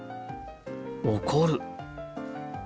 怒る。